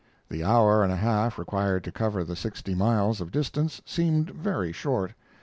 The hour and a half required to cover the sixty miles of distance seemed very short.